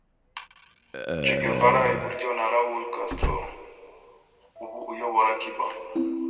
che Guevara i buryo na raul castro ubu uyobora cuba